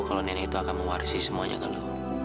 kalau nenek itu akan mewarisi semuanya ke lo